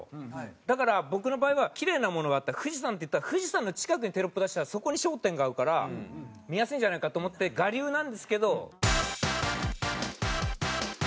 だから僕の場合はキレイなものがあったら「富士山」って言ったら富士山の近くにテロップ出したらそこに焦点が合うから見やすいんじゃないかと思って我流なんですけど。